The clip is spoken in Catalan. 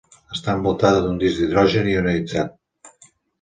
Està envoltada d'un disc d'hidrogen ionitzat.